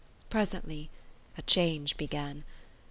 Presently a change began.